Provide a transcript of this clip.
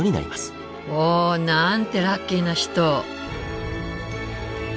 おなんてラッキーな人！